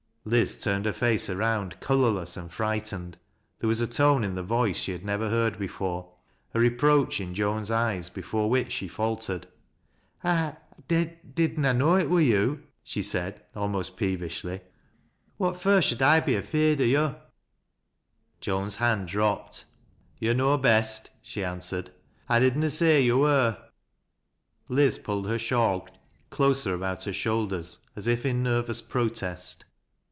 Liz turned her face around, colorless and frightened There was a tone in the voice she had never heard before 1 reproach in Joan's eyes before which she faltered. " I — did na know it wur yo'," she said, almost peevishlj " What fur should I be afeard o' yo'? " Joan's hand dropped. "To' know best," she answered. "I did na say yo wur." Liz pulled her shawl closer about her shoulders, as if in nervous protest.